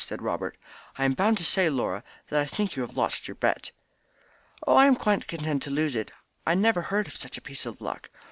said Robert. "I am bound to say, Laura, that I think you have lost your bet." "Oh, I am quite content to lose it. I never heard of such a piece of luck.